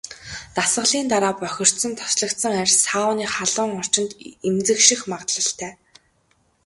Дасгалын дараа бохирдсон, тослогжсон арьс сауны халуун орчинд эмзэгших магадлалтай.